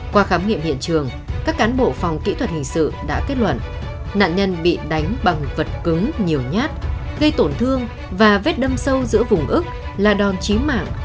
qua khám nghiệm hiện trường các cán bộ phòng kỹ thuật hình sự đã kết luận nạn nhân bị đánh bằng vật cứng nhiều nhát gây tổn thương và vết đâm sâu giữa vùng ức là đòn chí mạng